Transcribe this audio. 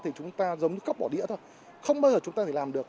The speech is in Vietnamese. thì chúng ta giống như cấp bỏ đĩa thôi không bao giờ chúng ta phải làm được